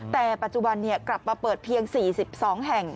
แต่ปัจจุบันกลับมาเปิดเพียง๔๒แห่ง